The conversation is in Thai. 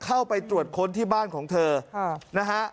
เข้าไปตรวจค้นที่บ้านของเธอนะฮะ